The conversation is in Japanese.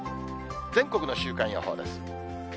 全国の週間予報です。